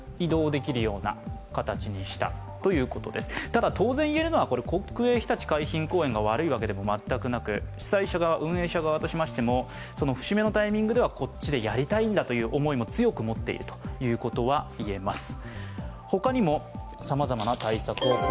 ただ、当然言えるのは国営ひたち海浜公園が悪いわけでも全くなく主催者側、運営者側としましても節目のタイミングとしてはこっちでやりたいんだという思いも強く持っているといえると思います。